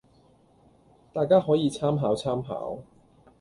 大家可以參考參考